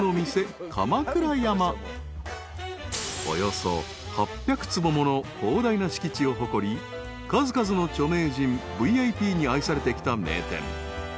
［およそ８００坪もの広大な敷地を誇り数々の著名人ＶＩＰに愛されてきた名店］